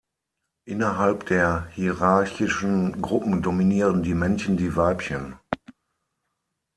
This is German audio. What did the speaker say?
Innerhalb der hierarchischen Gruppen dominieren die Männchen die Weibchen.